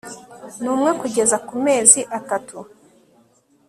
n umwe kugeza ku mezi atatu